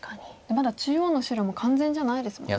まだ中央の白も完全じゃないですもんね。